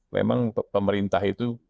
memang pemerintah itu